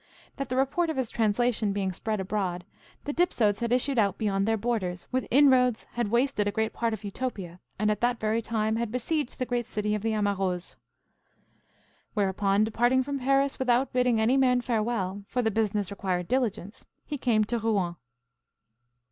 that the report of his translation being spread abroad, the Dipsodes had issued out beyond their borders, with inroads had wasted a great part of Utopia, and at that very time had besieged the great city of the Amaurots. Whereupon departing from Paris without bidding any man farewell, for the business required diligence, he came to Rouen.